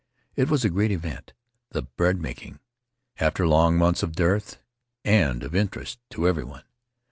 It w T as a great event, the bread making, after the long months of dearth, and of interest to everyone.